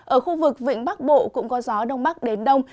ở khu vực vịnh bắc bộ cũng có gió đông bắc đến đông